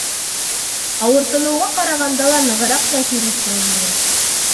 Ауыртыныуға ҡарағанда ла нығыраҡ тәьҫир итте ул миңә.